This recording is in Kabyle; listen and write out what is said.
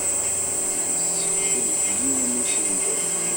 Tessekfel-d yiwen n usenduq.